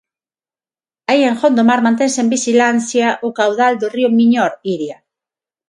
Aí en Gondomar mantense en vixilancia o caudal do río Miñor, Iria.